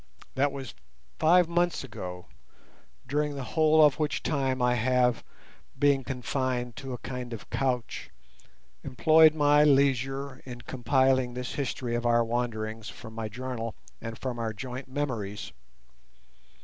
That was five months ago, during the whole of which time I have, being confined to a kind of couch, employed my leisure in compiling this history of our wanderings from my journal and from our joint memories.